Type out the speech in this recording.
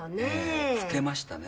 谷村：老けましたね。